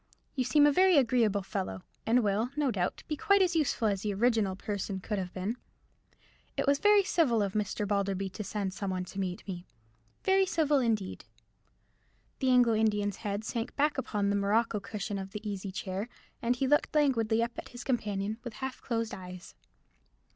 You seem a very agreeable fellow, and will, no doubt, be quite as useful as the original person could have been. It was very civil of Mr. Balderby to send some one to meet me—very civil indeed." The Anglo Indian's head sank back upon the morocco cushion of the easy chair, and he looked languidly at his companion, with half closed eyes.